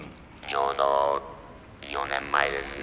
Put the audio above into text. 「ちょうど４年前ですね」。